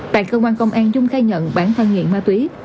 tại cơ quan công an dung khai nhận bản thân nghiện ma túy